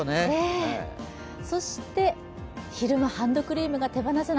そして昼間、ハンドクリームが手放せない。